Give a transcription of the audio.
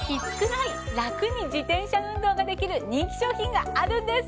ラクに自転車運動ができる人気商品があるんです！